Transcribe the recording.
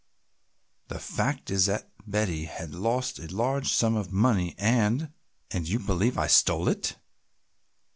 The fact is that Betty has lost a large sum of money and " "And you believe I stole it!"